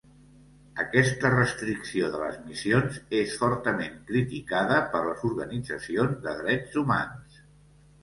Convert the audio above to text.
Aquesta restricció de les missions és fortament criticada per les organitzacions de drets humans.